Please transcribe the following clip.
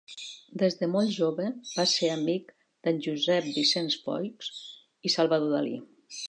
Des de molt jove va ser amic d'en Josep Vicenç Foix i Salvador Dalí.